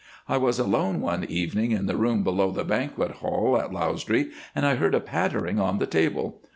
"I was alone one evening in the room below the banquet hall at Lausdree and heard a pattering on the table.